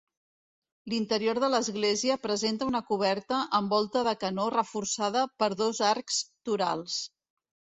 L'interior de l'església presenta una coberta amb volta de canó reforçada per dos arcs torals.